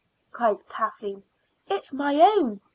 cried Kathleen. "It's my own.